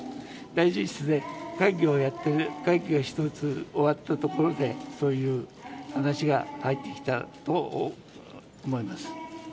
大臣室で会議が１つ終わったところでそういう話が入ってきたと思います。